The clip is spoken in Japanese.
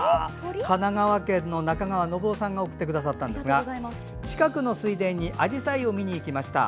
神奈川県の中川宣雄さんが送ってくださったんですが近くの水田にあじさいを見に行きました。